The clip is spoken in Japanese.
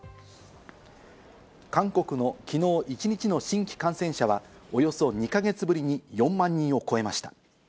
韓国の昨日一日の新規感染者はおよそ２か月ぶりに４万人を超えました。